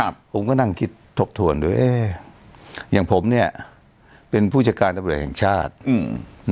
ผมก็นั่งคิดถกถ่วนดูเอ๊ะอย่างผมเนี่ยเป็นผู้จัดการระบบริเวณแห่งชาตินะ